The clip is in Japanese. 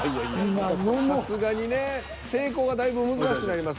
さすがにね成功がだいぶ難しくなります。